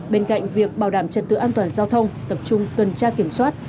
bên cạnh việc bảo đảm trật tự an toàn giao thông tập trung tuần tra kiểm soát